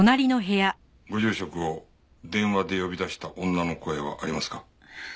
ご住職を電話で呼び出した女の声はありますか？